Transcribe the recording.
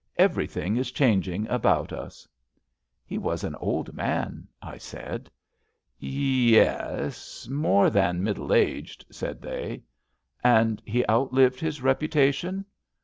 Everything is changing about us." He was an old man," I said, Ye es. More than middle aged," said they. And he outlived his reputation?